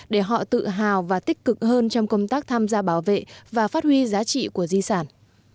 để họ tự hào và tích cực hơn trong công tác tham gia bảo vệ và phát huy giá trị của di sản